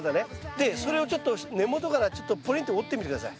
でそれをちょっと根元からちょっとポリンって折ってみて下さい。